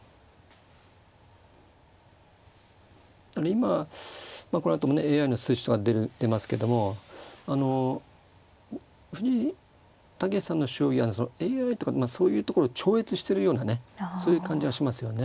今このあともねＡＩの数値とか出ますけども藤井猛さんの将棋はそのＡＩとかそういうところを超越してるようなねそういう感じはしますよね。